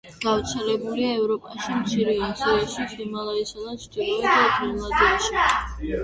გავრცელებულია ევროპაში, მცირე აზიაში, ჰიმალაისა და ჩრდილოეთ გრენლანდიაში.